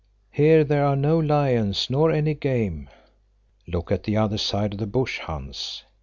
"Here there are no lions, nor any game." "Look the other side of the bush, Hans."